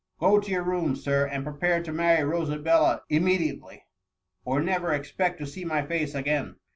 Go to your room. Sir, and prepare to. marry Rosabella immediately, or never expect to see my face again.''